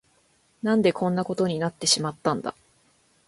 何でこんなことになってしまったんだ。